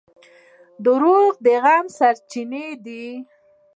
• دروغ د غم سرچینه ده.